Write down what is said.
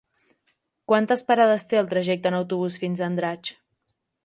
Quantes parades té el trajecte en autobús fins a Andratx?